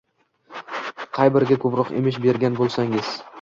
Qaysi biriga ko‘proq emish bergan bo‘lsangiz